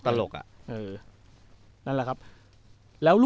ตลกอ่ะ